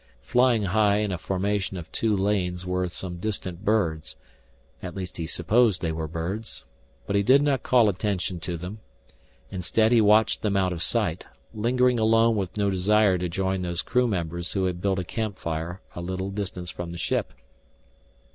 Flying high in a formation of two lanes were some distant birds, at least he supposed they were birds. But he did not call attention to them. Instead he watched them out of sight, lingering alone with no desire to join those crew members who had built a campfire a little distance from the ship.